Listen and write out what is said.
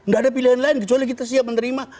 tidak ada pilihan lain kecuali kita siap menerima